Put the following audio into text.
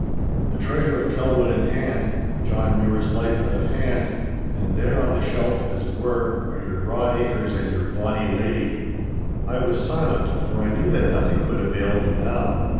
The Treasure of Kelwood in hand, John Mure's life out of hand—and there on the shelf (as it were) are your broad acres and your bonny lady!' I was silent, for I knew that nothing could avail me now.